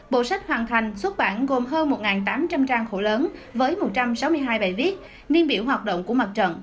bộ sách hoàn thành xuất bản gồm hơn một tám trăm linh trang khổ lớn với một trăm sáu mươi hai bài viết niên biểu hoạt động của mặt trận